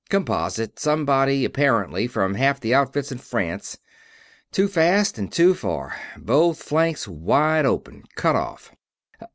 Composite somebody, apparently, from half the outfits in France. Too fast and too far both flanks wide open cut off